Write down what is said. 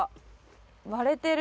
割れてる。